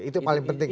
itu paling penting ya